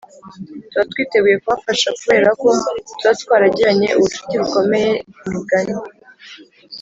tuba twiteguye kubafasha kubera ko tuba twaragiranye ubucuti bukomeye Imigani